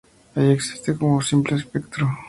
Allí existe como un simple espectro.